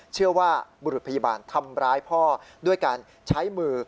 ระบุรุษพยาบาลทำร้ายพ่อด้วยการใช้มือ